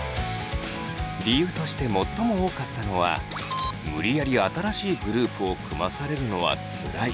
理由として最も多かったのは「無理やり新しいグループを組まされるのは辛い」でした。